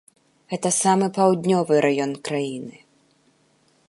Гэта самы паўднёвы раён краіны.